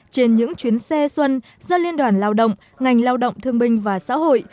trên những chuyến xe xuân do liên đoàn lao động ngành lao động thương binh và xã hội